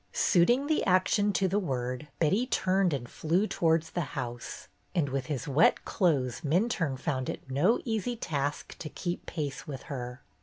Suiting the action to the word, Betty turned and flew towards the house, and with his wet clothes Minturne found it no easy task to keep pace with her.